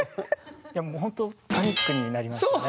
いやほんとパニックになりましたね。